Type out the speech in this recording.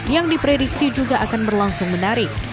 yang diprediksi juga akan berlangsung menarik